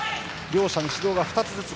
両者に指導が２つずつ。